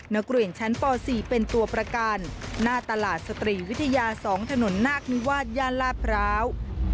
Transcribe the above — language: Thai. นักเรียนชั้นป๔เป็นตัวประกันหน้าตลาดสตรีวิทยา๒ถนนนาคนิวาสย่านลาดพร้าว